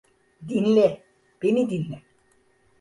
Dinle, beni dinle.